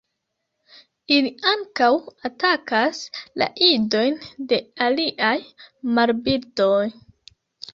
Ili ankaŭ atakas la idojn de aliaj marbirdoj.